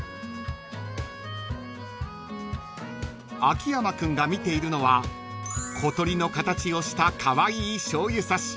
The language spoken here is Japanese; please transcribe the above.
［秋山君が見ているのは小鳥の形をしたカワイイしょうゆ差し］